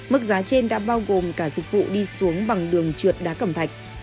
mức giá trên đã bao gồm cả dịch vụ đi xuống bằng đường trượt đá cẩm thạch